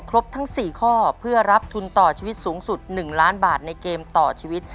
ทั้ง๔ข้อเพื่อรับทุนต่อชีวิตสูงสุด๑ล้านบาทในเกมต่อชีวิต